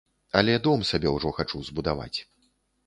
Але дом сабе ўжо хачу збудаваць.